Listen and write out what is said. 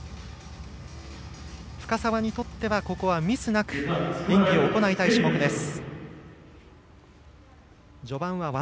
深沢にとってはミスなく演技を行いたい種目です。